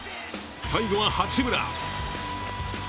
最後は八村。